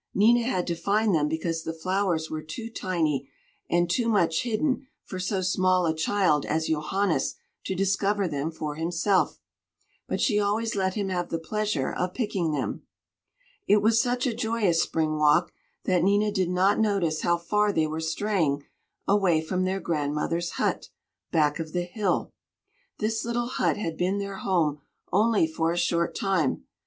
Nina had to find them because the flowers were too tiny and too much hidden for so small a child as Johannes to discover them for himself, but she always let him have the pleasure of picking them. It was such a joyous spring walk that Nina did not notice how far they were straying away from their grandmother's hut, back of the hill. This little hut had been their home only for a short time.